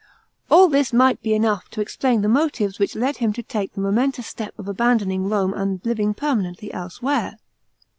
All this might be enough to explain the motives which led him to take the momentous step of abandoning Rome and living permanently else where.